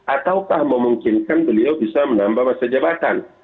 ataukah memungkinkan beliau bisa menambah masa jabatan